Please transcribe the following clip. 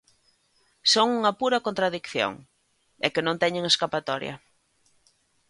Son unha pura contradición, é que non teñen escapatoria.